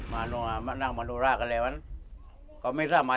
บ๊วยบ๊วยบ๊วยบ๊วยบ๊วยบ๊วยบ๊วยบ๊วยอเจมส์ที่นั่งก็คือล่วงไปฮะก็เลยเอาบวงบาทนั้นมาครองของนางมณุรา